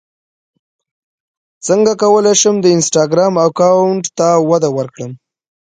څنګه کولی شم د انسټاګرام اکاونټ وده ورکړم